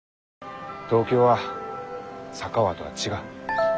東京は佐川とは違う。